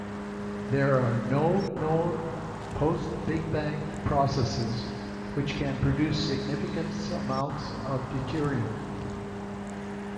There are no known post-Big Bang processes which can produce significant amounts of deuterium.